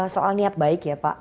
soal niat baik ya pak